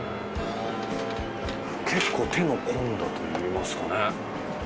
結構手の込んだといいますかね。